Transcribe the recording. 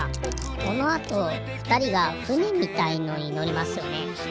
このあとふたりがふねみたいのにのりますよね。